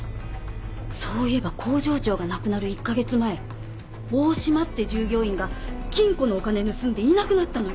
そういえば工場長が亡くなる１カ月前大島って従業員が金庫のお金盗んでいなくなったのよ。